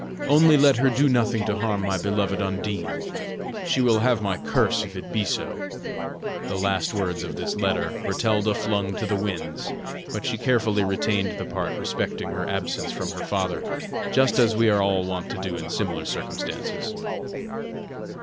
Only let her do nothing to harm my beloved Undine! She will have my curse if it be so." The last words of this letter, Bertalda flung to the winds, but she carefully retained the part respecting her absence from her father just as we are all wont to do in similar circumstances.